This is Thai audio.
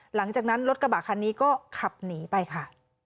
หลังจากนั้นรถกระบะคันนี้ก็ขับหนีไปค่ะ